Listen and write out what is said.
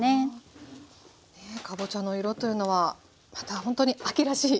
かぼちゃの色というのはまたほんとに秋らしい。